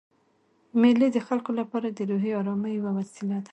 مېلې د خلکو له پاره د روحي آرامۍ یوه وسیله ده.